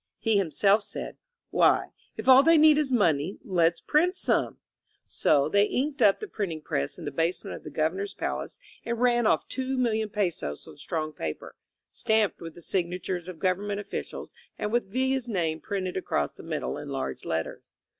He himself said: Why, if all they need is money, let's print some." So 123 INSURGENT MEXICO they inked up the printing press in the basement of the Governor's palace and ran off two million pesos on strong paper, stamped with the signatures of gov ernment officials, and with Villa's name printed across the middle in large letters.